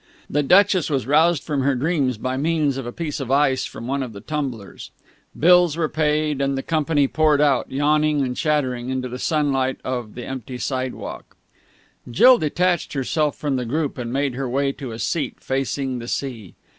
The Duchess was roused from her dreams by means of a piece of ice from one of the tumblers; bills were paid; and the company poured out, yawning and chattering, into the sunlight of the empty boardwalk. Jill detached herself from the group, and made her way to a seat facing the sea.